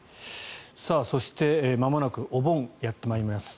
そして、まもなくお盆がやってまいります。